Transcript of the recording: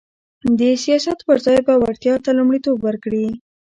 د سیاست پر ځای به وړتیا ته لومړیتوب ورکړي